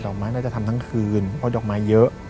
อกไม้น่าจะทำทั้งคืนเพราะดอกไม้เยอะ